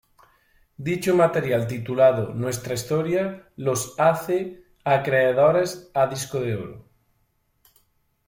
Dicho material titulado, "Nuestra Historia" los hace acreedores a Disco de Oro.